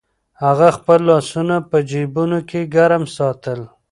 هغه خپل لاسونه په جېبونو کې ګرم ساتل.